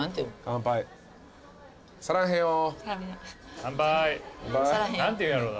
乾杯何ていうんやろうな。